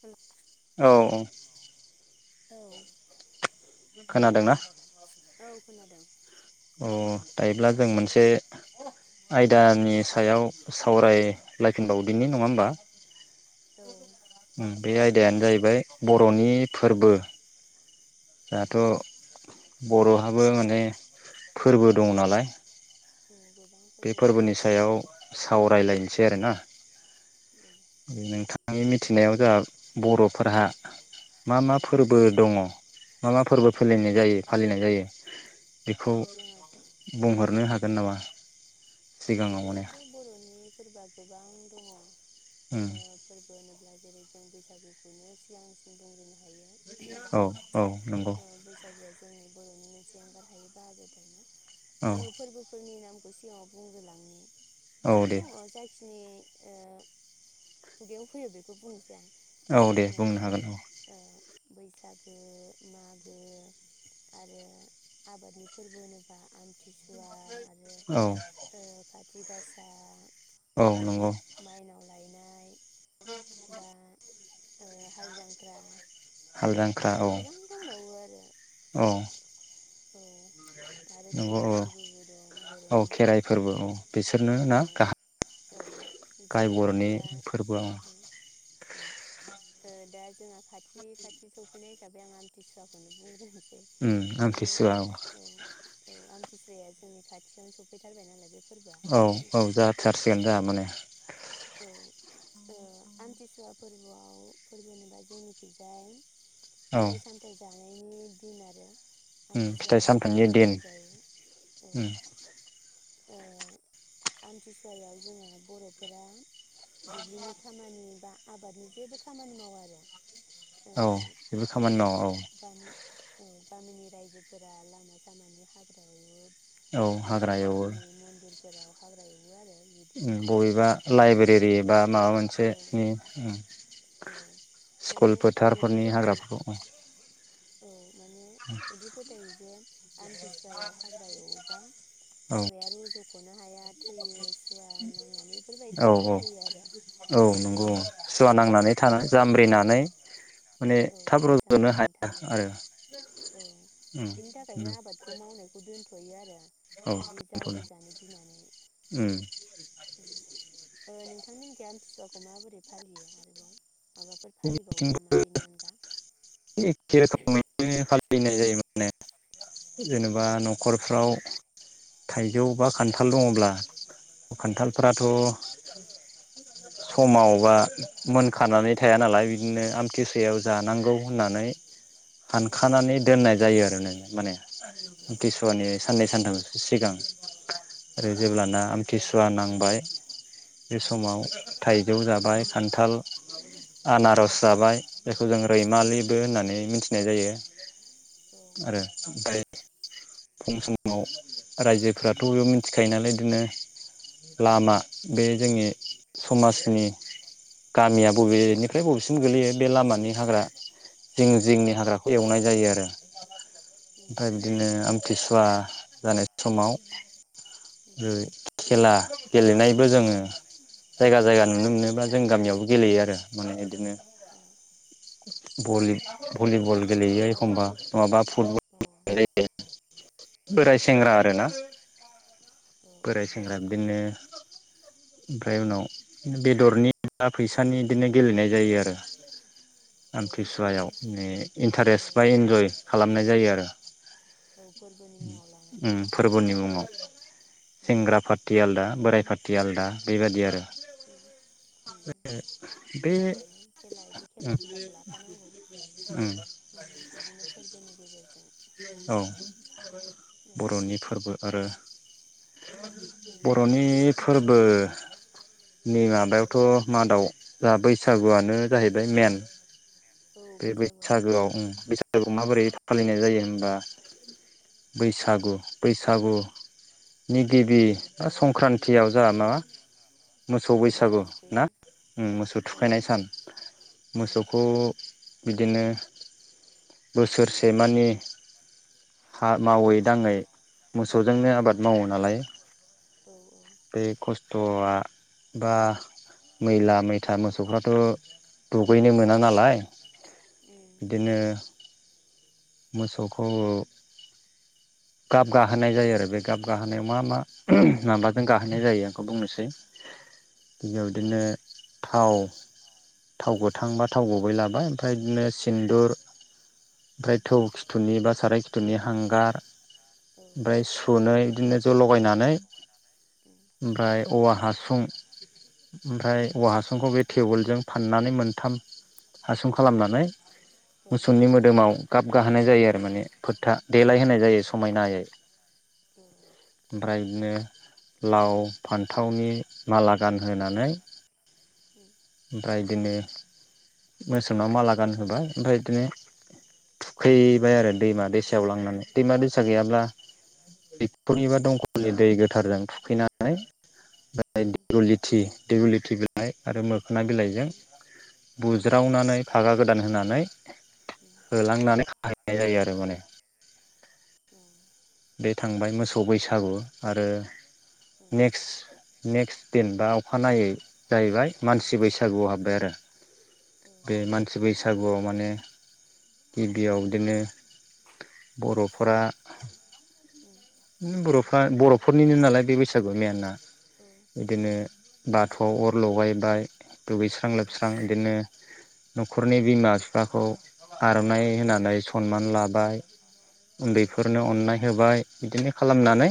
औ औ औ [inaudible] [inaudible] खोनादोंना? खोनादों अ दायोब्ला जों मोनसे आयदानि सायाव सावरायलायफिनबावदिनि नङा होमबा औ बे सावराय जायो। आयदायानो जाहैबाय बर'नि फोर्बो औ जाहाथ' बर'हाबो माने फोर्बो दं नालाय औ गोबां बे फोरबो दङ औ फोर्बोनि सायाव सावरायलायनोसै आरोना नोंथां आंनि मिथिनायाव जा बर'फोरहा मा मा औ। फोर्बो दङ मा मा फोर्बो फालिनाय जायो फालिनाय जायो बेखौ जोंहाथ' औ बुंहरनो हागोन नामा औ सिगाङाव माने जोंहाथ' बर'नि फोर्बआ गोबां दङ उम अ [inaudible] अब्ला जेरै जों बैसागुखौनो सिगांसिन बुंग्रोनो हायो औ औ नंगौ ओ बैसागुआ जोंनि [inaudible] औ आङो फोर्बोफोरनि नाम [unintelligible] बुंग्रोलांनि औ गोबां दे दङ जाखिनि ओ खुगायाव फैयो बेखौ बुंनोसै आं औ दे ओ बुंनो जेरै हागोन औ ओ बैसागो मागो आरो आबादनि फोरबो होनोबा आमथिसुवा आरो [unintelligible] औ ओ खाथि गासा औ उम नंगौ माइनाव [unintelligible] बा ओ हाल जांख्रा हालजांख्रा आरो औ गोबां दंबावो आरो औ औ आरो खेराइ फोरबोबो दं बर'नाव फोरबोआव बिसोरनो ना औ गाहाय औ जोंना बर'नि दा फोरबोआव [unintelligible] औ उम ओ दा [unintelligible] खाथि खाथि सौ सफैनाय हिसाबै आं आमथिसुवाखौनो बुंग्रोनो उम आमथिसुवा औ औ आमथिसुवाया जोंनि खाथियावनो सौफैथारबाय नालाय बेफोर औ औ जाथारसिगोन जा माने [unintelligible] औ ओ आमथिसुवा फोरबोआव फोरबो होनोबा जोंनिखिजाय औ फिथाइ सामथाय जा नायनि दिन आरो आमथिसुवा खालि सामथाइनि फिथाइ दिन सामथायाइ जायो औ ओ आमथिसुवायाव जोंङो बर'फोरा दुब्लिनि खामानि बा आबादनि जेबो खामानि मावा आरो ओ औ जेबो खामानि बिदिनो मावा औ गामि औ गामिनि रायजोफोरा लामा सामानि हाग्रा एवो। औ बा हाग्रा एवो गामिनि मन्दिरफोराव हाग्रा एवो आरो उम बिदिनो बबेबा माने लाइब्रेरि बा माबा औ मोनसेनि उम औ स्कुल माने ओरैबायदि फोथारफोरनि फोथायो हाग्राफोरखौ औ माने इदि फोथायो जे आमथिसुवायाव हाग्रा एवोबा औ हाग्राया रज' सख'नो हाया थैयो। सुवा नांनानै बेफोरबायदि औ औ फोथायो आरो औ नंगौ सुवा ओमफ्राय नांनानै थानो आबादखौ जामब्रिनानै माने थाब रज'नो जामब्रिनानै हाया औ आरो उम बिनि थाखायनो आबादखौ मावनायखौ दोन थयो आरो औ बिदि दोनथ'नो जामबु जानो गिनानै उम नोंथांमोननि आमथिसुवाखौ माबोरै फालियो आरोबाव माबाफोर फालिबावो जोंनिथिंबो नामा बेनि अनगा [unintelligible] फैनाय जायो माने जेनेबा न'खरफ्राव थाइजौ बा खान्थाल दङब्ला खान्थालफोराथ' समावबा मोनखानानै थाया नालाय बिदिनो आमथिसायाव जानांगौ होननानै औ हानखानानै दोननाय जायो आरो माने आमथि औ सुवानि साननै सानथा सिगां ओरै उम जेब्लाना आमथिसुवा नांग बाइ बे उम समाव थाइजौ जाबाय माइ खान्थाल आनारस जाबाय बेायखौ जों रैमालि होननानै मिथिनाय जायो औ आरो ओमफ्राय [inaudible] फुं समाव रायजोफोराथ' बेयाव मिथिखायो नालाय बिदिनो लामा बे जोंनि समाजनि गामिया बबेनिफ्राय बबेसिम गोलैयो बे लामानि हाग्रा जिं औ जिंनि हाग्राखौ एवनाय जायो आरो [inaudible] उम ओमफ्राय बिदिनो आथिसुवा जानाय समाव उम [inaudible] खेला गेलेनायबो जोङो जायगा जायगा नुनो मोनोब्ला जों गामियावबो गेलेयो आरो माने बिदिनो उम भलि औ भलिबल गेलेयो एखमबा आमथिसुवा नङाबा अ फुटबल गेले बोराय औ सेंग्रा आरोना औ अ औ बोराय सेंग्रा बिदिनो ओमफ्राय उनाव बेदरनि बा फैसानि बिदिनो गेलेनाय जायो आरो आमथिसुवायाव मे इन्टारेस्ट बा इन्जय खालामनाय जायो आरो औ फोरबोनि मुङाव लानानै ओम फोरबोनि मुङाव उम सेंग्रा पार्टि आलदा बोराइ पार्टिथि आलदा बेबायदि आरो बे मोजाङानो खेला बिदि उम खेला-दुलाखौ लाफानांगौ उम बिदिनो फोरबोनि गेजेरजों। औ औ बर'नि फोरबो आरो औ बर'नि ओ फोरबो नै माबायावथ' मादाव जाहा बै बैसागुआनो जाहैबाय मेन औ बे बैसागुआनो बैसागुआव मेन औ ओम बैसागुआव माबोरै फालिनाय जायो। होनबा बैसागु बैसागुनि गिबि बा संक्रान्तियाव जा मा मोसौ बैसागु ना ओम थुखैयो औ मोसौ औ थुखायनाय सान उम मोसौखौ बिदिनो बोसोरसेमानि हा मावै दाङै मोसौजोंनो औ आबाद मावो नालाय औ औ बे ख स्थया बा मैला-मैथा मोसौफ्राथ' दुगैनो मोना नालाय उम बिदिनो मोसौ खौ गाब गाहोनाय जायो आरो बे गाबगाहोनायाव मा मा माबा जों गाहोनाय जायो आंखौ बुंनोसै। गिबियाव औ बिदिनो थाव [inaudible] थाव गोथांबा उम बा थाव गुबै लाबाय ओमफाय बिदिनो सिन्दुर ओमफ्राय थौ खिथु बा साराय खि थुनि हांगार औ ओमफ्राय सुनै बिदिनो ज' लगायनानै उम उम ओमफ्राय औवा हासुं ओमफ्राय औवा हासुंखौ बे टेबोलजों फाननानै मोनथाम हासुं खालामनानै औ मोसौनि मोदोमाव गाब गाहोनाय जा यो माने फोथा देलाय होनाय जायो समायनायै ओमफ्राय बिदिनो लाव फान्थावनि माला गानहोनै उम ओमफ्राय बिदिनो मोसौनाव माला गान होबाय ओमफ्राय बिदिनो थुखै बाय आरो दैमा-दैसायाव लांनानै। दैमा-दैसा गैयाब्ला थिकलनि उम उम बा दंखलनि दै गो थारजों थुखैनानै ओमफाय दिगल लिथि दिगलिथि बिलाइ आरो मो मोखना बिलाइजों उम उम बुज्रावनानै फागा गोदान होनानै औ होलांनानै बाहायनाय जायो आरो माने औ बे थांबाय मोसौ बैसागु आरो नेक्सट नेक्स्ट देन बा अखानायै जाहैबाय मानसि बैसागुआव हाबबाय आरो। औ बे मानसि बैसाग बैसागुआव माने गिबियाव बिदिनो बर'फोरा उम उम बर'फोरा बर' फोरनिनो नालाय बे बैसागु मेयानआ बिदिनो बाथौआव अर लगायबाय दुगैस्रां लोबस्रां इदिनो न'खरनि बिमा बिफाखौ आर'नाइ होनानै सनमान लाबाय उन्दैफोरनो अन्नाय होबाय बिदिनो खालामनानै बिदि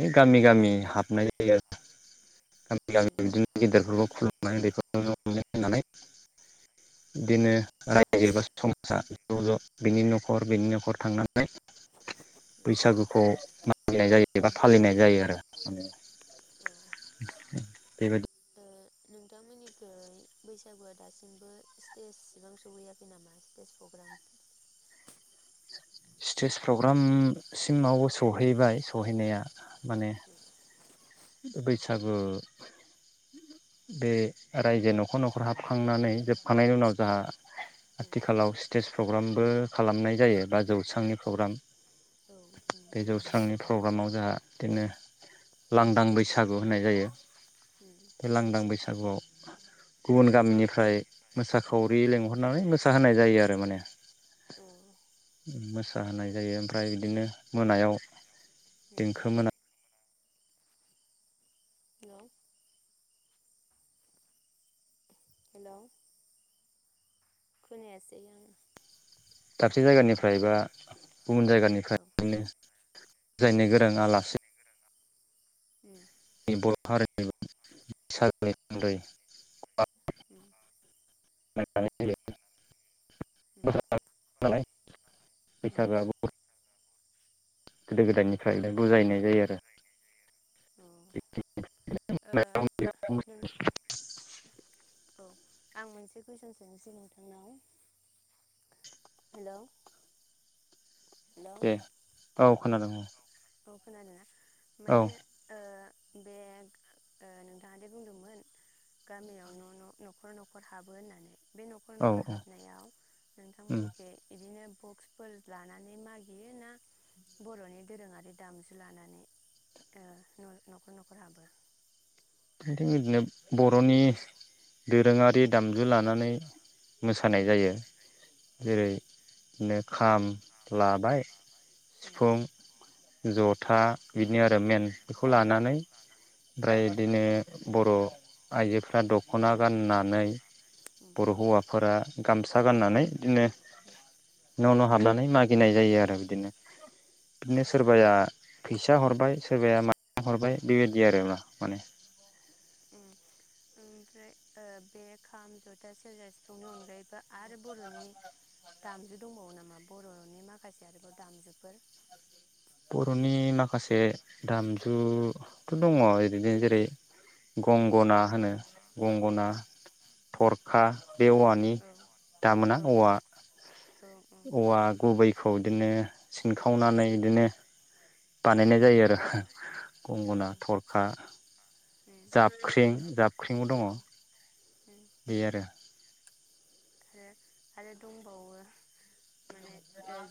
बे गामि गामि हाबनाय जायो। [unintelligible] गेदेरफोरखौ खुलुमनानै बेखौ होनो होनानै बिदिनो रायजो एबा समाजा ज' ज' बिनि न'खर बिनि न'खर थांनानै बैसागुखौ मागिनाय जायो एबा फालिनाय जायो आरो माने बेबायदि नोंथांमोननिखै बैसागुआ दासिमबो स्तेससिबां सौहैयाखै नामा? स्तेस प्रग्राम। स्टेज प्रग्रामसिमाव सहैबाय सहैनाया माने बैसागु बे रायजो न'खर न'खर हाबखांनानै जोबखांनायनि उनाव जा आथिखालाव स्टेज प्रग्रामबो खालामनाय जायो बा जौस्रांनि प्रग्राम औ बे जौस्रांनि प्रग्रामाव जोंहा बिदिनो लांदां बैसागु होनाय जायो। लांदां बैसा सागुआव गुबुन गामिनिफ्राय मोसाखावरि लेंहरनानै मोसाहोनाय जायो आरो माने आरो उम मोसा फुजा होनाय जायो ओमफ्राय बिदिनो मोनायाव माने देंखो मोना हेल'। हेल'। खोनायासै आङो। दाबसे जायगानिफ्राय बा गुबुन औ जायगानिफ्रायनो बुजायनो गोरां आलासि उम। बर' हारिनि सागै [unintelligible] उम। [unintelligible] [unintelligible] बैसागोआ बर' गोदो गोदायनिफ्रायनो बुजायनाय जायो आरो। जायगानिफ्राय अ नोंथां [unintelligible] औ आं मोनसे कुइसन सोंनोसै नोंथांनाव हेल' दे औ। खोनादों औ। औ खोना दोंना? औ माने ओ बे ओ नोंथाङादे बुंदोंमोन गामियाव न‌' न' न'खर न'खर हाबो होननानै बे न'खर औ न'खर हाबनायाव उम नोंथांमोननिखे इदिनो बक्सफोर लानानै मागियो ना बर'नि दोरोङारि दामजु लानानै ओ‌ न-न'खर न'खर हाबो। जोंथिं इदिनो बर'नि दोरोङारि दामजु लानानै मोसानाय जायो। उम जेरै नो खाम लाबाय उम सिफुं, उम उम जथा बिदिनो आरो मेेन बेखौ लानानै ओमफ्राय उम बिदिनो बर' आइजोफ्रा दख'ना गाननानै बर‌' हौवाफोरा गामसा गाननानै बिदिनो उम। नाव नाव हाबनानै मागिनाय जायो आरो बिदिनो, बिदिनो सोरबाया फैसा हरबाय सोरबाया माइरं हरबाय बेबायदि आरो मा माने। उम ओमफ्राय ओ बे खाम, जथा, सेरजा, सिफुंनि अनगायैबो आरो बर'नि दामजु दंबावो नामा बर'नि माखासे आरोबाव दामजुफोर? बर'नि माखासे दामजु थ दङ ओरैनो जेरै गंगना होनो गंगना औ थर हा बे औवानि दामोना औ ओम ओम औ ओम औवा-औवा गुबै खौ बिदिनो सिनखावनानै इदिनो बानायनाय जायो आरो गंगना थरखा जाबख्रिं जाबख्रिंबो दङ औ ओम बे आरो जे आरो दंबावो माने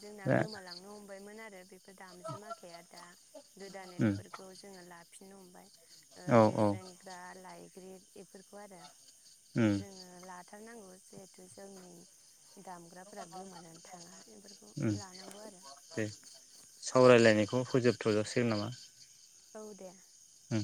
जोंना गोमालांनो हमबायमोन आरो जे बे दामजुमाखाया दा गोदानै बेफोरखौ जोंङो ला फिननो हमबाय ओ औ औ जेज्रेंग्रा लाइक ग्रेट बेफोरखौ आरो जोंङो ला थारनांगौ जे जितु जोंनि दामग्राफोरा गोमानानै थाङा बेफोरखौ लानांगौ आरो दे थजासिगोन नामा औ दे ओम